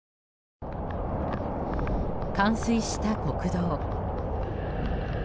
冠水した国道。